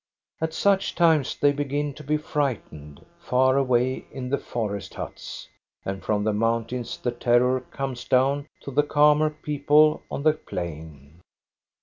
At such times they begin to be frightened far away in the forest huts, and from the mountains the terror comes down to the calmer people on the plain.